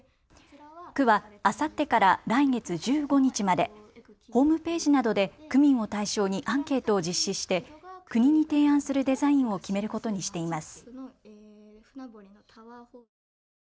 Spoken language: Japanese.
区はあさってから来月１５日までホームページなどで区民を対象にアンケートを実施して国に提案するデザインを決めることにしています。